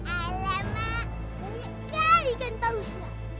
alamak banyak gak ikan pausnya